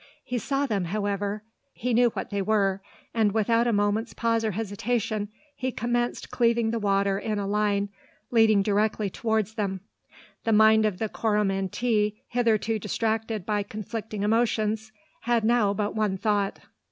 He saw them, however; he knew what they were; and, without a moment's pause or hesitation, he recommenced cleaving the water in a line leading directly towards them. The mind of the Coromantee, hitherto distracted by conflicting emotions, had now but one thought.